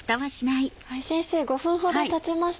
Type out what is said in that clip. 先生５分ほどたちました。